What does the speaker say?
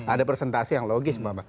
ada persentase yang logis